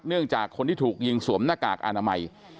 จากคนที่ถูกยิงสวมหน้ากากอนามัย